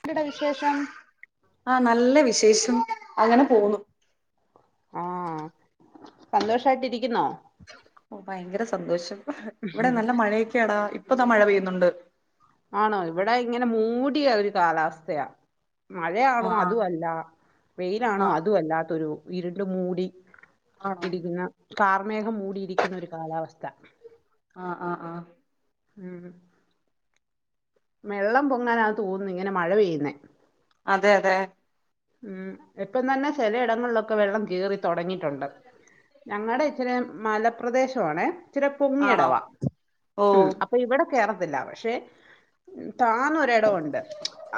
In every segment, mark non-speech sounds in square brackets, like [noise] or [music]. എന്തടാ വിശേഷം ആ നല്ല വിശേഷം അങ്ങനെ പോവുന്നു സന്തോഷായിട്ട് ഇരിക്കുന്നോ ഓഹ് ഭയങ്കര സന്തോഷം ഇവിടെ നല്ല മഴയൊക്കെയടാ ഇപ്പതാ മഴ പെയ്യുന്നുണ്ട് ആണോ ഇവിടെ ഇങ്ങനെ മൂടിയ ഒരു കാലാവസ്ഥയാ മഴയാണോ ആഹ് അതുമല്ല വെയിലാണോ ആഹ് അതും അല്ലാത്തൊരു ഇരുണ്ട് മൂടി ആഹ് ആണോ ഇരിക്കുന്ന കാർമേഘം മൂടിയിരിക്കുന്ന ഒരു കാലാവസ്ഥ ആഹ് ആഹ് ആഹ് ഉം വെള്ളം പൊങ്ങാനാണ് തോന്നുന്നു ഇങ്ങനെ മഴ പെയ്യുന്നേ അതെ അതെ ഉം ഇപ്പം തന്നെ ചിലയിടങ്ങളിലൊക്കെ വെള്ളം കേറി തൊടങ്ങിയിട്ടുണ്ട് ഞങ്ങളടെ ഇച്ചിരി മലപ്രദേശ ആണേ ഇച്ചിരി ആണോ പൊങ്ങിയടവ ഓ ഉം അപ്പോ അപ്പൊ ഇവിടെ കേയറത്തില്ല പക്ഷെ താന്ന ഒരിടവുണ്ട്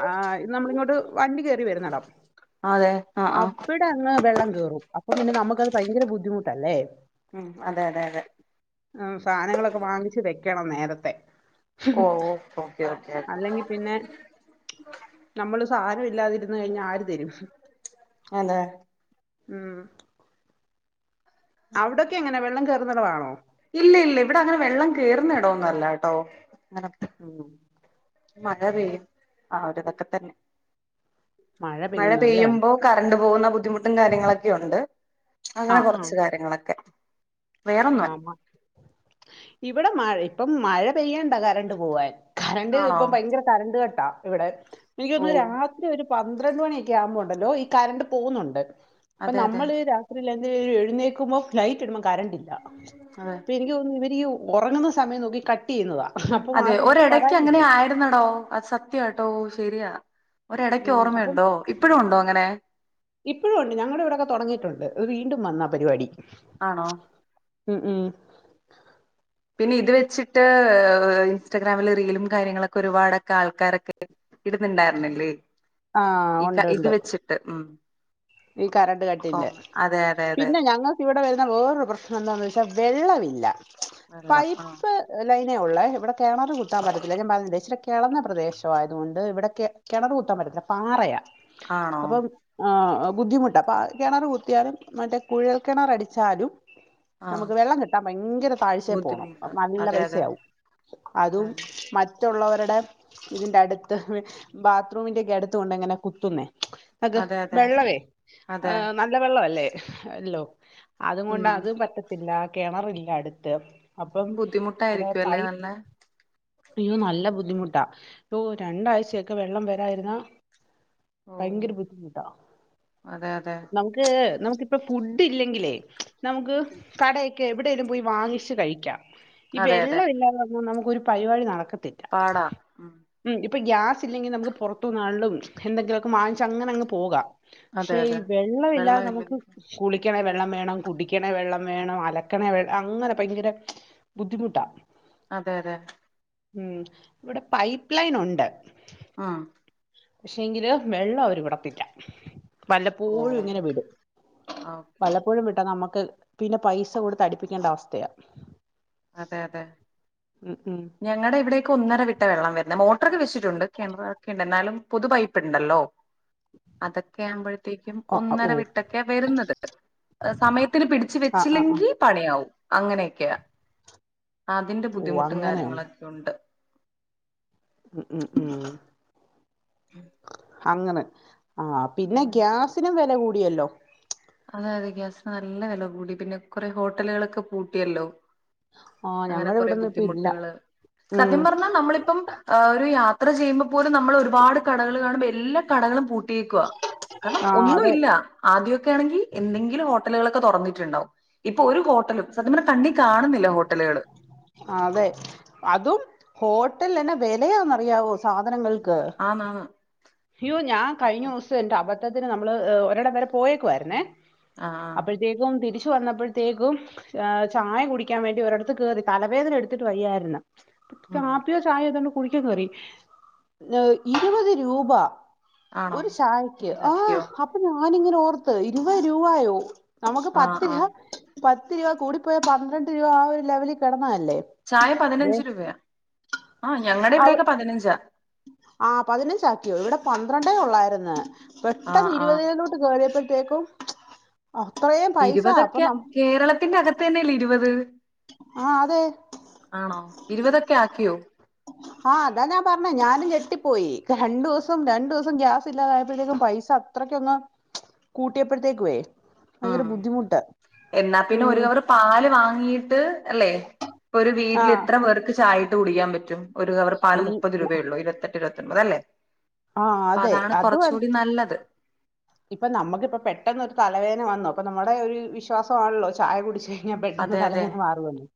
ആ ഇത് നമ്മളിങ്ങോട്ട് വണ്ടി കയറി വരുന്നടം അതെ ആഹ് ആഹ് അവിടെ അങ്ങ് വെള്ളം കേറും അപ്പം പിന്നെ നമുക്കത് ഭയങ്കര ബുദ്ധിമുട്ടല്ലേ അതെ അതെ അതെ ഉം സാനങ്ങളൊക്കെ വാങ്ങിച്ച് വെക്കണം നേരത്തെ ഓ ഓ ഓക്കേ ഓക്കേ ഓക്കെ അല്ലെങ്കിൽ പിന്നെ നമ്മള് സാധനം ഇല്ലാതിരുന്ന് കഴിഞ്ഞാ ആര് തരും അതെ ഉം ഔടൊക്കെ എങ്ങനെ വെള്ളം കേറുന്നടവാണോ ഇല്ല ഇല്ല ഇവിടെ അങ്ങനെ വെള്ളം കേറുന്ന ഇടോന്നല്ല കേട്ടോ ഉം മഴ പെയ്യും ആ ഒര് തൊക്കെ തന്നെ മഴ പെയ്യുന്നു അല്ലേ പെയ്യുമ്പോ കറണ്ട് പോകുന്ന ബുദ്ധിമുട്ടും കാര്യങ്ങളൊക്കെയൊണ്ട് അങ്ങനെ ആ ആ കൊറച്ച് കാര്യങ്ങളൊക്കെ ആ വേറൊന്നുമല്ല ഇവിടെ മഴ ഇപ്പം മഴ പെയ്യണ്ട കറണ്ട് പോവാൻ കറണ്ട് ആണോ ഇപ്പം ഭയങ്കര കറണ്ട് കട്ടാ ഇവിടെ എനിക്കോന്ന് ഓ രാത്രി ഒരു പന്ത്രണ്ട് മണിയൊക്കെ യാവുമ്പോണ്ടല്ലോ ഈ കറണ്ട് പോകുന്നുണ്ട് അപ്പൊ അതെ അതെ നമ്മള് ര രാത്രിയിൽ അത് എഴുന്നേക്കുമ്പോ ലൈറ്റിടുമ്പോ കറണ്ടില്ല അതേ അപ്പ എനിക്ക് തോന്നുന്നു ഇവരീ ഒറങ്ങുന്ന സമയം നോക്കി കട്ട് ചെയ്യുന്നതാ അപ്പം അതെ ആർക്കും ഒരിടയ്ക്ക് പരാതി അങ്ങനെ ആയിരുന്നടോ അത് സത്യ സത്യട്ടോ ശരിയാ ഒരടക്ക് ഉം, ഓർമ്മയുണ്ടോ ഇപ്പഴും ഉണ്ടോ അങ്ങനെ ഇപ്പോഴുംണ്ട് ഞങ്ങളുടെ ഇവിടെയൊക്കെ തൊടങ്ങീട്ടുണ്ട്ത് അത് വീണ്ടും വന്നാ പരിപാടി ആണോ ഉം ഹും പിന്നെ ഇത് വെച്ചിട്ട് ഇൻസ്റ്റാഗ്രാമില് റീലും കാര്യങ്ങളൊക്കെ ഒരുപാടൊക്കെ ആൾക്കാരൊക്കെ ഇടുന്നുണ്ടായിര്ന്നില്ലേ ആ ഈ ക ഉണ്ട് ഇത് ഉണ്ട് വെച്ചിട്ട് ഉം ഈ കറണ്ട് കട്ടിന്റെ കോമൺ അതെ അതെ അതെ പിന്നെ ഞങ്ങൾക്ക് ഇവിടെ വരുന്ന വേറൊരു പ്രശ്നം ന്താന്ന് വെച്ചാ വെള്ളമില്ല വെള്ളം ആഹ് പൈപ്പ് ലൈനേ ഒള്ളേ ഇവിടെ കെണറ് കൂത്താൻ പറ്റത്തില്ല ഞാൻ പറഞ്ഞില്ലെ ഇച്ചിര കെളന്ന പ്രദേശുവായതുകൊണ്ട് ഇവിടെ കെ കെണറ് കുത്താൻ പറ്റത്തില്ല പാറയാ ആണോ അപ്പം ആഹ് ബുദ്ധിമുട്ടാ അപ്പ കെണർ കുത്തിയാലും മറ്റേ കുഴൽ കിണർ അടിച്ചാലും ആഹ് നമുക്ക് വെള്ളം കിട്ടാൻ ഭയങ്കര താഴ്ചേ പോണം ബുദ്ധിമുട്ട് നല്ല അതെ അതെ പൈസയാവും അതെ അതും മ റ്റുള്ളവരുടെ ഇതിന്റെ അടുത്ത് ബാത്റൂമിന്റെ യൊക്കെ അടുത്ത കൊണ്ടങ്ങനെ കുത്തുന്നേ ഗ് അതെ അതെ വെള്ളവേ ആ അതെ നല്ല വെള്ളവല്ലേ ഒളൂ അതും കൊണ്ട് ഉം അതും പറ്റത്തില്ല കെണറില്ല അടുത്ത് അപ്പം ഇവിടെ ബുദ്ധിമുട്ടായിരിക്കും അല്ലേ പൈ നല്ല പിന്നെ നല്ല ബുദ്ധിമുട്ടാ പോ രണ്ടാഴ്ചയൊക്കെ വെള്ളം വരായിരുന്നാ ഓ ഭയങ്കരബുദ്ധിമുട്ടാ അതെ അതെ നമുക്ക് നമുക്കിപ്പ ഫുഡ് ഇല്ലെങ്കിലേ നമുക്ക് കടയ് ക്ക്‌ എവിടെയേലും പോയി വാങ്ങിച്ച് കഴിക്കാം ഈ അതെ വെള്ള അതെ ഇല്ലാന്ന് പറഞ്ഞാൽ നമുക്ക് ഒരു പരിപാടി നടക്കത്തില്ല പാടാ ഉം ഇപ്പൊ ഗ്യാസ് ഇല്ലെങ്കിൽ നമുക്ക് പുറത്തു ന്നാണ്ലും എന്തെങ്കിലുമൊക്കെ വാങ്ങിച്ച അങ്ങനെ അങ്ങ് പോകാം അതെ പക്ഷെ ഈ അതെ വെള്ളവില്ലാതെ വെള്ളം നമുക്ക് ഇല്ലെങ്കിൽ കുളിക്കണേ വെള്ളം വേണം കുടിക്കണേ വെള്ളം വേണം അലക്കണേ വെ അങ്ങനെ ഭയങ്കര ബുദ്ധിമുട്ടാ അതെ അതെ ഉം ഇവിടെ പൈപ്പ് ലൈൻ ഉണ്ട് ആഹ് പക്ഷെ ങ്കില് വെള്ളം അവര് വിടത്തില്ല ഓ വല്ലപ്പോഴും ഇങ്ങനെ വിടും ഓക്കെ ഓക്കെ വല്ലപ്പോഴും വിട്ടാ നമ്മക്ക് പിന്നെ പൈസ കൊടുത്ത് അടിപ്പിക്കേണ്ട അവസ്ഥയ അതെ അതെ ഉം ഞങ്ങടെ ഇവിടേക്ക് ഒന്നര വിട്ട വെള്ളം വരുന്ന മോട്ടർക്കെ വെച്ചിട്ടുണ്ട് കിണറ്വെ ക്കെ എന്നാലും പൊതു പൈപ്പ് ഉണ്ടല്ലോ അതൊക്കെ ആവുമ്പോഴത്തേക്കും ആ ആ, ഒന്നര ഓ വിട്ടൊക്കെയാ വരുന്നത് അഹ് സമയത്തിന് പിടിച്ച് ആ ആ ആ വെച്ചില്ലെങ്കി പണിയാവും അങ്ങനെയൊക്കെയ അതിന്റെ ഓ ബുദ്ധിമുട്ടും അങ്ങനെയുണ്ട് കാര്യങ്ങളൊക്കെ ഉണ്ട് ഉം ഉം ഹും [inaudible] അങ്ങനെ ആ പിന്നെ ഉം. ഗ്യാസിനും വില കൂടിയല്ലോ അതെ അതെ ഗ്യാസിന് നല്ല വില കൂടി പിന്നെ കുറെ ഹോട്ടലുകളൊക്കെ പൂട്ടിയല്ലോ ആഹ് അങ്ങനെ ഞങ്ങടെ കൊറെ ഇവിടൊന്നും ഇപ്പ ഇല്ല ബുദ്ധിമുട്ടുകള് ഉം സത്യം പറഞ്ഞാ നമ്മളിപ്പം ആഹ് ഒരു യാത്ര ചെയ്യുമ്പപോലും നമ്മള് ഒരുപാട് കടകള് കാണുമ്പോ എല്ലാ കടകളും പൂ ട്ടിയേക്കുക കാരണം ആഹ് അതെ ഒന്നുമില്ല ആദ്യം ഒക്കെയാണെങ്കി എന്തെങ്കിലും ഹോട്ടലുകളെക്കെ തുറന്നിട്ടുണ്ടാവും ഇപ്പൊ ഒരു ഹോട്ടലും സത്യം പറഞ്ഞ കണ്ണി കാണുന്നില്ല ഹോട്ടലുകള് അതെ അതും ഹോട്ടല് എന്നാ വെലയാന്നറിയാവോ സാധനങ്ങൾക്ക് ആന്നാന്ന് യ്യോ ഞാൻ കഴിഞ്ഞ ദിവ സം എന്റെ അബദ്ധത്തിന് നമ്മള് ഒരിടം വരെ പോയേക്കുവായിരുന്നേ ആഹ് ആഹ് പ്പത്തേയ്ക്കും തിരിച്ചു വന്നപ്പോഴത്തേക്കും ഏ ചായ കുടിക്കാൻ വേണ്ടി ഒരിടത്ത് കേറി തലവേദന എടുത്തിട്ട് വെയ്യായിര്ന്നു ഉം കാപ്പി ചായ ഇതൊന്ന് കുടിക്കാൻ ഏ ഇരുപത് രൂപ ആണോ ഒരു ചായക്ക് ആഹ് ഇതാക്കിയോ അ പ്പം ഞാനിങ്ങനെ ഓർത്ത് ഇരുപത് രൂപായോ നമുക്ക് ആഹ് പത്ത് ആഹ് രൂപാ പത്ത് രൂപ കൂടി ഇപ്പഴേ പന്ത്രണ്ട് രൂപ ആ ഒര് ലെവലില് കെടന്നതല്ലേ ചായ പതിനഞ്ച് രൂപയാ ആഹ് ഞങ്ങടെ അവി ഇവിടെക്കെ പതിനഞ്ചാ ആഹ് പതിനഞ്ചാക്കിയോ ഇവിടെ പന്ത്രണ്ടേ ഒള്ളായിര്ന്ന് ആഹ് പെട്ടെന്ന് ആഹ് ഇരുപതിലോ ട്ട് കേറിയപ്പഴത്തേക്കും അത്രേയും ഇരുപതൊക്കെ കേരളത്തിന്റെ അകത്തെന്നെല്ലേ ഇരുപത് ആഹ് അതെ ആണോ ഇരുപതൊക്കെ ആക്കിയോ ആഹ് അതാ ഞാൻ പറഞ്ഞെ ഞാനും ഞെട്ടിപ്പോയി രണ്ടു ദിവസം രണ്ടു ദിവസം ഗ്യാസ് ഇല്ലാതായപ്പത്തേക്കും പൈസ അ അത്രക്ക് അങ്ങ് കൂട്ടിയപ്പഴത്തേക്കു ഭയങ്കര ഉം ബുദ്ധിമുട്ട് എന്നാ പിന്നെ ഉം ഒരു കവറ് പാല് വാങ്ങീട്ട് അല്ലേ ഒരു വീട്ടില് ആഹ് എത്രപേർക്ക് ചായ ഇട്ട് കുടിക്കാൻ പറ്റും ഒരു കവറ് പാല് ഇൽ മുപ്പത് രൂപയൊള്ളൂ ഇരുപത്തെട്ട് ഇരുപത്തൊൻപത് അല്ലേ ആഹ് അപ്പ അതെ അതാണ് കൊറച്ചൂടിം നല്ലത് ഇപ്പം നമ്മുക്കിപ്പം പെട്ടെന്നൊരു തലവേദന വന്നു അപ്പൊ നമ്മടെ ഒരു വിശ്വാസവാണല്ലോ ചായ കുടിച്ച് ഴിഞ്ഞാ പെട്ടെന്ന് അതെ അതെ തലവേദന മാറുവെന്ന്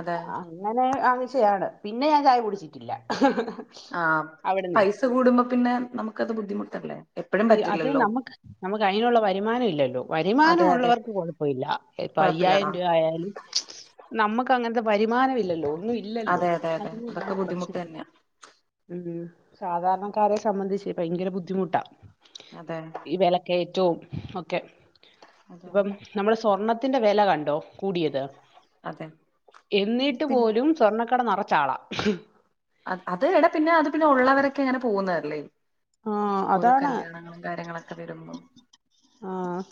അതെ അ അങ്ങനെ വാങ്ങിച്ചയാണ് പിന്നെ ഞാൻ ചായ കുടിച്ചിട്ടില്ല ആഹ് അവിടുന്നേ പൈസ കൂടുമ്പോ പിന്നെ നമുക്കത് ബുദ്ധിമുട്ടല്ലേ എപ്പഴും ഈ അത് പറ്റില്ലല്ലോ നമക്ക് നമുക്ക് അയിനുള്ള വരുമാനം ഇല്ലല്ലോ അതെ വര്മാനം അതെ ഉള്ളവർക്ക് കൊഴപ്പയില്ല ഇപ്പ കൊഴപ്പില്ലടാ അയ്യായിരം രൂപ ആയാലും നമ്മക്ക് അങ്ങനത്തെ വരുമാനം ഇല്ലല്ലോ ഒന്നും ഇ ഇല്ലല്ലോ അതെ അതെ അതെ അതിനിന്നാണ് അതൊക്കെ ബുദ്ധിമുട്ട് പ്രശ്നം തന്നെയാ ഉം സാധാരണക്കാരെ സംബന്ധിച്ച് ഭയങ്കര ബുദ്ധിമുട്ടാ അതെ ഈ വെലക്കയറ്റവും ഒക്കെ അതെ ഇപ്പം നമ്മടെ സ്വർണത്തിന്റെ വെല കണ്ടോ കൂടിയത് അതെ ഇത് എന്നിട്ട് പിന്നെ പോലും സ്വർണ്ണക്കട നെറച്ച് ആളാ അ അത് എടാ പിന്നെ അത് പിന്നെ ഉള്ളവരൊക്കെ അങ്ങനെ പോകുന്നതല്ലേ ആ ഓരോ അതാണ് കല്യാണങ്ങളും കാര്യങ്ങളൊക്കെ വരുമ്പോ ആഹ്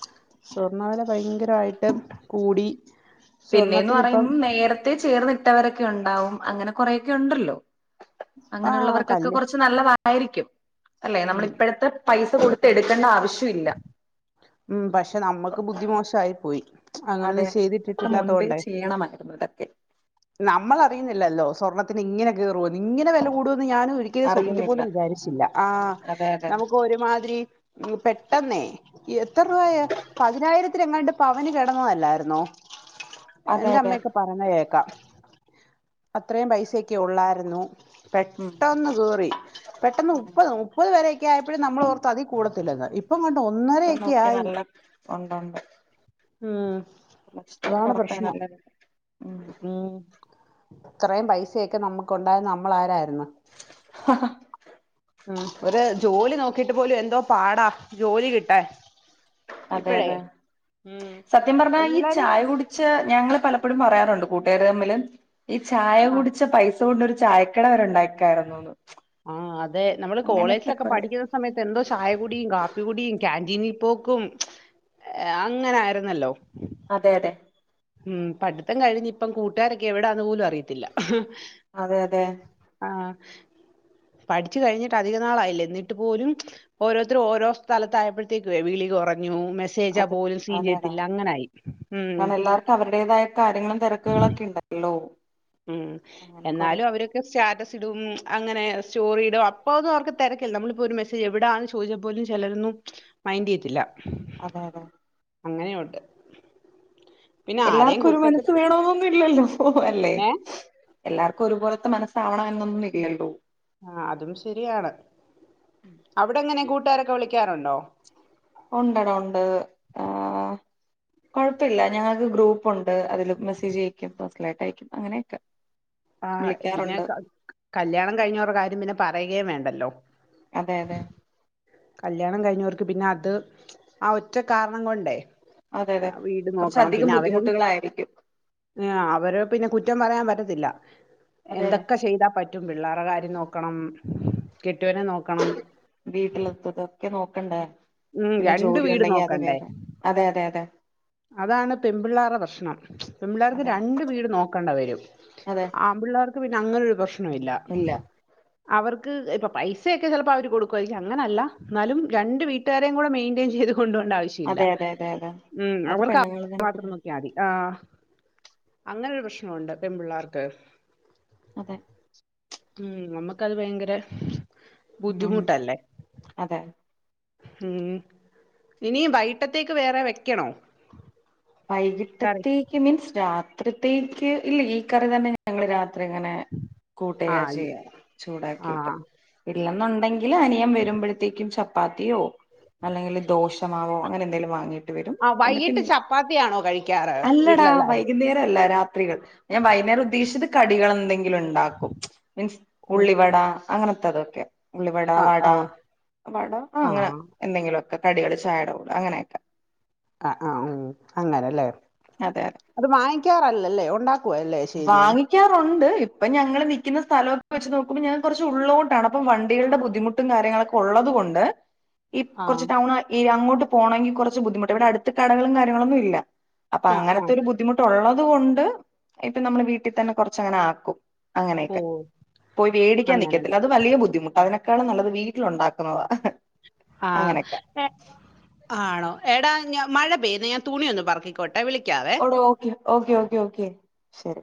സ്വർണ്ണ വെല ഭയങ്കരായിട്ട് കൂടി പിന്നെയന്ന് സ്വർണത്തിനിപ്പം പറയുമ്പ നേരത്തെ ചേർന്നിട്ടവരൊക്കെ ഉണ്ടാവും അങ്ങനെ കൊറെയൊക്കെ ഉണ്ടല്ലോ ആ അങ്ങനെള്ളവർക്കൊക്കെ കല്ല് കുറച്ച് നല്ലതായിരിക്കും അല്ലെ ഉം നമ്മളിപ്പഴത്തെ പൈസ കൊടുത്ത് എടുക്കണ്ട ആവശ്യം ഇില്ല ഉം പക്ഷെ നമ്മക്ക് ബുദ്ധിമോശായി പോയി അതെ അങ്ങനൊന്നും ഇതൊക്കെ ചെയ്തിട്ടിട്ടില്ലാത്ത മുൻപേ കൊണ്ടേ ചെയ്യണമായിരുന്നു ഇതൊക്കെ നമ്മളറിയുന്നില്ലല്ലോ സ്വർണത്തിന് ഇങ്ങനെ കേറൂന്ന് ഇങ്ങനെ വില കൂടുന്ന് ഞാനൊരി ക് സ്വപ്നത്തി അറിയുന്നില്ല പോലും വിചാരിച്ചില്ല ആഹ് അതെ അതെ നമുക്ക് ഒര്മാതിരി പെ പെട്ടെന്നേ എത്ര രൂപയാ പതിനായിരത്തിനെങ്ങാണ്ട് പവന് കെടന്നതല്ലാരുന്നോ അതെ എന്റെ അതെ അമ്മയൊക്കെ പറഞ്ഞ കേക്കാം അത്രേം പൈസൊക്കെ ഉള്ളാരുന്നു ഉം പെട്ടന്ന് കേറി പെട്ടന്ന് മുപ്പത് മു പതു വരൊക്കെ ആയപ്പഴും നമ്മള് ഓർത്ത് അതി കൂടത്തില്ലെന്ന് ഇപ്പങ്ങട് ഒന്നരേ ഇപ്പ ഒക്കെ നോക്കിയ ആയി നല്ല ഉം [unintelligible] അതാണ് പൊറത്തായി പ്രശ്നം നല്ല ഉം ഉം ഇത്രേം പൈസയൊക്കെ നമ്മുക്ക് ണ്ടായിന്ന നമ്മളാരാര്ന്നു ആഹഹാ ഉം ഒര് ജോലി നോക്കീട്ട് പോലും എന്തോ പാടാ ജോലി കിട്ടാൻ അതെ ഇപ്പഴേ അതെ ഉം സത്യം പറഞ്ഞാ ഈ എല്ലാരും ചായ കുടി ച്ച ഞങ്ങൾ പലപ്പഴും പറയാറുണ്ട് കൂട്ടാര് തമ്മിൽ ഈ ചായ ആ കുടിച്ച പൈ സോടൊരു ചായക്കട വരെ ഉണ്ടാ ആഹ് അതെ നമ്മള് അങ്ങനത്തെ കോളേജിലൊക്കെ കൊറെ പഠിക്കുന്ന സമയത്ത് എന്തോ ചായ കുടിം കാപ്പി കുടിം ക്യറ്റീനി പോക്കും അങ്ങനാരുന്നല്ലോ അതെ അതെ ഉം പഠിത്തം കഴിഞ്ഞ് ഇപ്പം കൂട്ടാരൊക്കെ എവിടാന്ന് പോലും അറിയത്തില്ല അതെ അതെ ആഹ് പഠിച്ച് കഴിഞ്ഞിട്ട് അധിക നാളായില്ല എന്നിട്ട് പോലും ഓരോരുത്തരും ഓരോ സ്ഥലത്ത ആയപ്പഴ്ത്തേക്ക് വിളി കൊറഞ്ഞുെ മെ സേജ അത് പോലും സീൻ ചെയ്യത്തില്ല അങ്ങനായി ഉം അവര്ടേതായ കാര്യങ്ങളും തെരക്ക്കളൊക്കെ ഇണ്ടല്ലോ ഉം എന്നാലും അവരൊക്കെ സ്റ്റാറ്റസ് ഇടും അങ്ങനെ സ്റ്റോറിടും അപ്പോ ഒന്നും അവർക്ക് തെരക്കില്ല നമ്മളിപ്പോ ഒരു മെ എവിടാന്ന് ചോദിച്ച പോലും ചെലരൊന്നും മൈൻഡ്ച്ചിയത്തില്ല അതെ അതെ അങ്ങനെയുണ്ട് പിന്നെ ആരെയും എല്ലാർക്കും ഒരു കുറ്റപ്പെടു മനസ്സ് വേണോനൊന്നും ഇല്ലല്ലോ അല്ലെ ഏഹ് എല്ലാർക്കും ഒരുപോലത്തെ മനസ്സാവണം എന്നൊന്നും ഇല്ലല്ലോ ആഹ് അതും ശരിയാണ് അവിടെ എങ്ങനെ കൂട്ടാരൊക്കെ വിളിക്കാറുണ്ടോ ഉണ്ടെടാ ഉണ്ട് ആഹ് കൊഴപ്പല്ല ഞങ്ങൾക്ക് ഗ്രൂപ്പുണ്ട് അതില് മെസ്സേജ് അയക്കും പേഴ്സണലായിട്ട് അയക്കും അങ്ങനെയൊക്കെ ആഹ് പിന്നെ വിളിക്കാറുണ്ട് ക കല്യാണം കഴിഞ്ഞോവര്‌ടെ കാര്യം പിന്നെ പറയുകയും വേണ്ടല്ലോ അതെ അതെ കല്യാണം കയിഞ്ഞോർക്ക് പിന്നെ അത് ആ ഒറ്റ കാരണം കൊണ്ടേ അതെ അതെ ആ വീട് നോക്കണം കുറച്ചധികം പിന്നെ അവര് ബുദ്ധിമുട്ടുകളായിരിക്കും ആ അവരെ പിന്നെ കുറ്റം പറയാൻ പറ്റത്തില്ല അതെ അതെ എന്തൊക്കെ ചെയ്താ പ റ്റും പിള്ളേരെ കാര്യം നോക്കണം കെട്ടോനെ നോക്കണം വീട്ടില്ത്തതൊക്കെ നോക്കണ്ടേ ഉം പിന്നെ രണ്ട് ജോലി വീട് ഉണ്ടെങ്കി അത് നോക്കണ്ടേ വേറെ അതെ അതെ അതെ അതാണ് പെമ്പിള്ളേരെ പ്രശ്നം പെബിള്ളേർക്ക് അതെ രണ്ട് വീട് നോക്കണ്ട വരും അതെ ആ ൺ പിള്ളേർക്ക് പിന്നെ അങ്ങനൊരു പ്രശ്നയില്ല ഇല്ല അവർക്ക് ഇപ്പ പൈസയൊക്കെ ചെലപ്പോ അവര് കൊടുക്കുവാരിക്കും പക്ഷേ അങ്ങനല്ല ന്നാലും രണ്ട് വീ ട്ടേരിം കൂടെ മെയ്ന്റെയിൻ ചെയ്ത് കൊണ്ട് പോണ്ട ആവി അതെ-യതെ-യതെ-യതെ. മ്മ് അവർക്ക് [inaudible] മാത്രം നോക്കിയാതി ആഹ് അങ്ങനൊരു പ്രശ്നമുണ്ട് പെൺപിള്ളാർക്ക്. അതെ. ഉം നമുക്കത് ഭയങ്കര മ്മ്ഹ് അതെ. മ്മ്ഹ് ഇനി വൈകിട്ടത്തേക്ക് വേറെ വെക്കണോ? കറി വൈകിട്ടത്തേക്ക് മീൻസ് രാത്രിത്തേക്ക് ഇല്ലില്ല ഈ കറി തന്നെ ഞങ്ങള് രാത്രി ഇങ്ങനെ ആ കൂട്ടുകയാ ഇ- ചെയ്യാ ആ ചൂടാക്കിട്ട്. ഇല്ലെന്നുണ്ടെങ്കില് അനിയൻ വരുമ്പോഴത്തേക്കും ചപ്പാത്തിയോ അല്ലെങ്കില് ദോശമാവോ അങ്ങനെ എന്തെലും വാങ്ങിയിട്ട് വരും ആഹ് വൈകിട്ട് എന്നിട്ട് ചപ്പാത്തിയാണോ കഴിക്കാറ് അല്ലടാ വീട്ടിലെല്ലാരും? വൈകുന്നേരം അല്ല രാത്രികൾ. ഞാൻ വൈകുന്നേരം ഉദ്ദേശിച്ചത് കടികളെന്തെങ്കിലുണ്ടാക്കും. ഉം മീൻസ് ഓ. ഉള്ളിവട അങ്ങനത്തെ അതൊക്കെ. ഉള്ളിവട ആ വട ആ ആ അങ്ങനെ. എന്തെങ്കിലുമൊക്കെ കടികൾ ചായെടെ കൂടെ അങ്ങനെയൊക്കെ. ആ ആഹ് മ് അങ്ങനല്ലേ. അതെ അതെ. അത് വാങ്ങിക്കാറല്ലല്ലേ ഉണ്ടാക്ക വാങ്ങി വാങ്ങിക്കാറുണ്ട്. ഇപ്പം ഞങ്ങൾ നിക്കുന്ന സ്ഥലവൊക്കെ വെച്ച് നോക്കുമ്പോ ഞങ്ങൾ കുറച്ച് ഉള്ളിലോട്ടാണ്. അപ്പം വണ്ടികളുടെ ബുദ്ധിമു മുട്ടും കാര്യങ്ങളൊക്കെ ഉള്ളത് കൊണ്ട് ഈ ആ കൊറച്ച് ടൗണാ ഈ അങ്ങോട്ട് പോണെങ്കി കൊറച്ച് ബുദ്ധിമുട്ട് ഇവിടെ അടുത്ത് കടകളും കാര്യങ്ങളൊന്നുമില്ല. അപ്പൊ ആ ആ അങ്ങനത്തൊരു ബുദ്ധിമുട്ടുള്ളത് കൊണ്ട് ഇപ്പൊ നമ്മള് വീട്ടിതന്നെ കൊറച്ചങ്ങനെ ആക്കും. അങ്ങനെയൊക്കെ. ഓ പോയി വേടിക്കാൻ അങ്ങനല്ല നിക്കത്തില്ല. അത് വലിയ ബുദ്ധിമുട്ടാ അതിനൊ ക്കാളും നല്ലത് വീട്ടിലുണ്ടാക്കുന്നതാ ഹ്ഹ് ആഹ്. ആണോ? എടാ ഞാ മഴ പെയ്യുന്നു. ഞാൻ തുണിയൊന്ന് പെറക്കിക്കോട്ടെ. വിളിക്കാവേ. ഓട ഓക്കെ ഓക്കെ-ഓക്കെ-ഓക്കെ ശരി.